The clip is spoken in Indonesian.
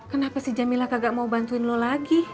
kenapa si jamila kagak mau bantuin lo lagi